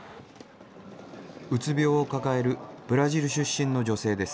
うつ病を抱えるブラジル出身の女性です。